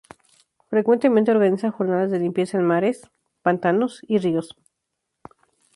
Frecuentemente organiza jornadas de limpieza en mares, pantanos y ríos.